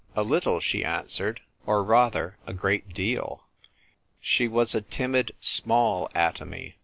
"A little," she answered. " Or rather, a great deal." She was a timid small atom}'.